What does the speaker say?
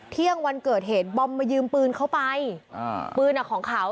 เที่ยงวันเกิดเหตุบอมมายืมปืนเข้าไปอ่าปืนอ่ะของเขา